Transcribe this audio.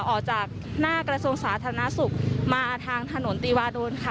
ออกจากหน้ากระทรวงสาธารณสุขมาทางถนนตีวาโดนค่ะ